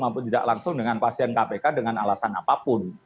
maupun tidak langsung dengan pasien kpk dengan alasan apapun